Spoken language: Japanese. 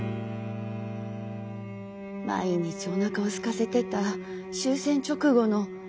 毎日おなかをすかせてた終戦直後の。